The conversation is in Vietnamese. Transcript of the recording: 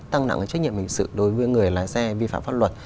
tăng nặng trách nhiệm hình sự đối với người lái xe vi phạm pháp luật